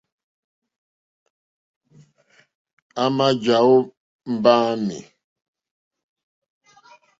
À mà jàwó mbáǃámì.